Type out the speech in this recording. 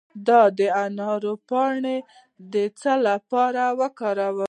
د انار پاڼې د څه لپاره وکاروم؟